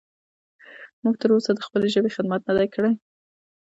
موږ تر اوسه د خپلې ژبې خدمت نه دی کړی.